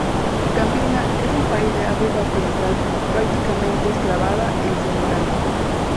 Gambia es un país de África Occidental, prácticamente enclavada en Senegal.